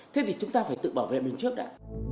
thế thì chúng ta phải tự bảo vệ mình trước đã